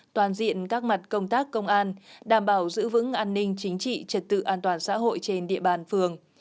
toàn diện các mặt công tác công an đảm bảo giữ vững an ninh chính trị trật tự an toàn xã hội trên địa bàn phường